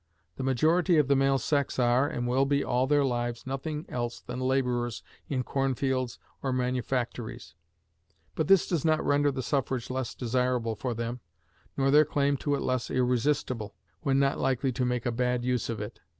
The majority of the male sex are, and will be all their lives, nothing else than laborers in corn fields or manufactories; but this does not render the suffrage less desirable for them, nor their claim to it less irresistible, when not likely to make a bad use of it.